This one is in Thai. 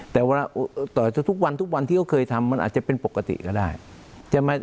แต่ว่าถ้าทุกวันที่เขาเคยทำมันอาจจะเป็นปกติก็ได้